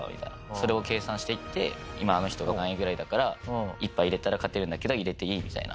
それを計算していって今あの人どないぐらいだから１杯入れたら勝てるんだけど入れていい？みたいな。